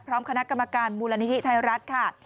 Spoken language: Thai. พร้อมคณะกรรมการมูลนิธิไทยรัฐค่ะ